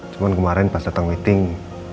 cuman kemaren pas datang meeting